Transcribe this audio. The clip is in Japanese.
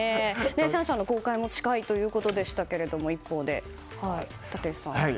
シャンシャンの公開も一方、近いということでしたが立石さん。